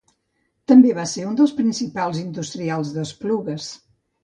També va ser un dels primers industrials d'Esplugues.